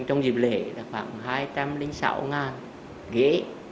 trong dịp lễ khoảng hai trăm linh sáu ghế